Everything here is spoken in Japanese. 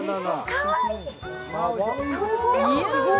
かわいい！